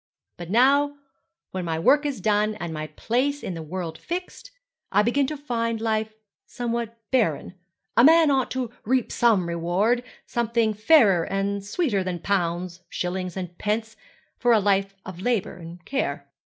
But now, when my work is done, and my place in the world fixed, I begin to find life somewhat barren. A man ought to reap some reward something fairer and sweeter than pounds, shillings, and pence, for a life of labour and care.'